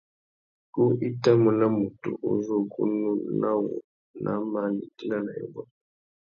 Ku i tà mú na mutu u zu ugunú na wô nà māh nitina na yôbôt.